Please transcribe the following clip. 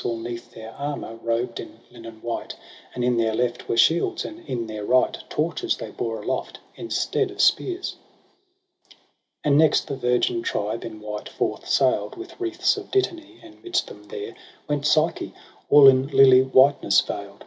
All 'neath their armour robed in linen white j And in their left were shields, and in their right Torches they bore aloft instead of spears. And next the virgin tribe in white forth sail'd. With wreaths of dittany • and ""midst them there Went Psyche, all in lily whiteness veil'd.